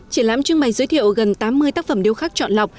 triển lãm trưng bày giới thiệu gần tám mươi tác phẩm điêu khắc chọn lọc